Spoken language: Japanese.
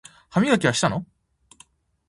歯磨きはしたの？